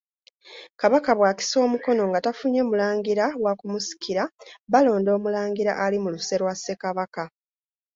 Kabaka bw’akisa omukono nga tafunye mulangira wa kumusikira balonda Omulangira ali mu luse lwa Ssekabaka.